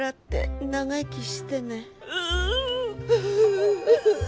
うん。